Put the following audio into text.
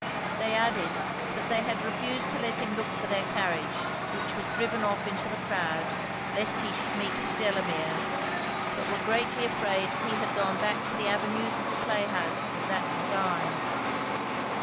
They added, that they had refused to let him look for their carriage, which was driven off in the croud, lest he should meet with Delamere; but were greatly afraid he had gone back to the avenues of the playhouse with that design.